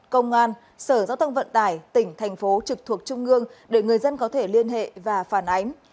công an sở giao thông vận tải tỉnh thành phố trực thuộc trung ương để người dân có thể liên hệ và phản ánh